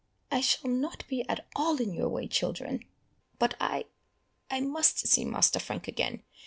"I shall not be at all in your way, children, but I I must see Master Frank again.